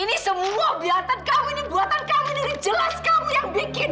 ini semua buatan kamu ini buatan kamu ini jelas kamu yang bikin